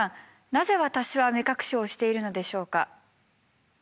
なぜ私は目隠しをしているのでしょうか？